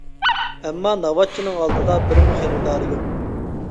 ئەمما ناۋاتچىنىڭ ئالدىدا بىرمۇ خېرىدارى يوق.